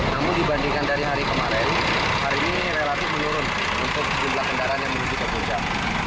namun dibandingkan dari hari kemarin hari ini relatif menurun untuk jumlah kendaraan yang menuju ke puncak